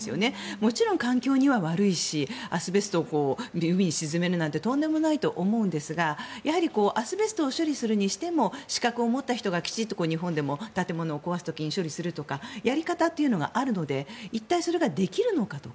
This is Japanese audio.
もちろん環境には悪いしアスベストを海に沈めるなんてとんでもないと思うんですがアスベストを処理するにしても資格を持った人がきちんと日本でも建物を壊す時に処理をするとかやり方というのがあるので一体、それができるのかとか。